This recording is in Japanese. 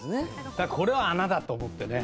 だからこれは穴だ！と思ってね。